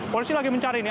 polisi lagi mencari ini